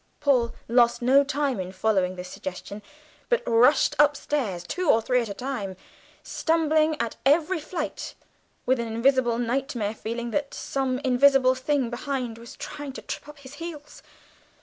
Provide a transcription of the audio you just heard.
Paul lost no time in following this suggestion, but rushed upstairs, two or three steps at the time, stumbling at every flight, with a hideous nightmare feeling that some invisible thing behind was trying to trip up his heels.